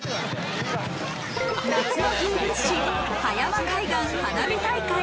夏の風物詩、葉山海岸花火大会。